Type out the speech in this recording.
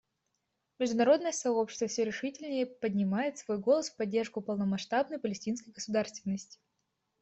Международное сообщество все решительнее поднимает свой голос в поддержку полномасштабной палестинской государственности.